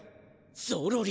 ゾロリ！